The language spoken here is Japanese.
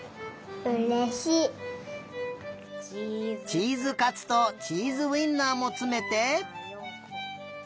チーズかつとチーズウインナーもつめて。